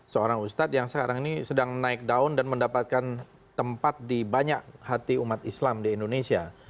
seorang ustadz yang sekarang ini sedang naik daun dan mendapatkan tempat di banyak hati umat islam di indonesia